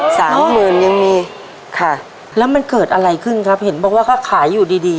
สามหมื่นยังมีค่ะแล้วมันเกิดอะไรขึ้นครับเห็นบอกว่าก็ขายอยู่ดีดี